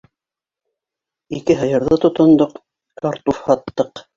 Ике һыйырҙы тотондоҡ, картуф һаттыҡ.